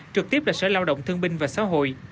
trực tiếp là sở lao động thương binh và xã hội